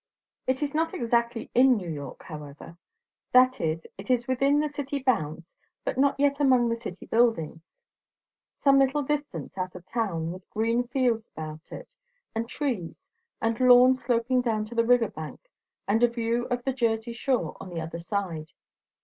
It is not exactly in New York, however. That is, it is within the city bounds, but not yet among the city buildings. Some little distance out of town, with green fields about it, and trees, and lawn sloping down to the river bank, and a view of the Jersey shore on the other side.